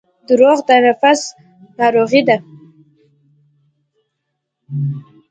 • دروغ د نفس ناروغي ده.